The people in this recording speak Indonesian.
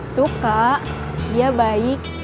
suka dia baik